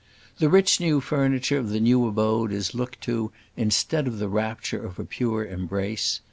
The rich new furniture of the new abode is looked to instead of the rapture of a pure embrace.